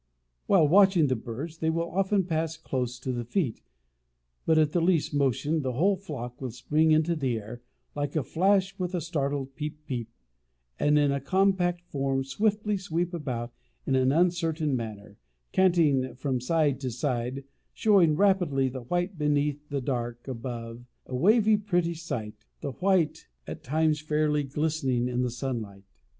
While watching the birds, they will often pass close to the feet, but at the least motion the whole flock will spring into the air "like a flash, with a startled Peep, peep, and in a compact form swiftly sweep about in an uncertain manner, canting from side to side, showing rapidly the white beneath and the dark above, a wavy, pretty sight, the white at times fairly glistening in the sunlight."